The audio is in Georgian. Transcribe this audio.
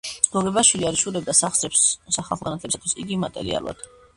გოგებაშვილი არ იშურებდა სახსრებს სახალხო განათლებისათვის; იგი მატერიალურად